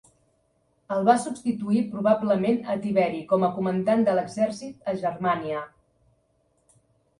El va substituir probablement a Tiberi com a comandant de l’exèrcit a Germània.